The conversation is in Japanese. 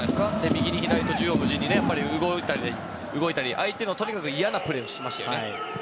右に左に縦横無尽に動いたりととにかく相手の嫌なプレーをしましたよね。